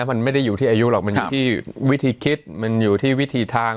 มันไม่ได้อยู่ที่อายุหรอกมันอยู่ที่วิธีคิดมันอยู่ที่วิธีทาง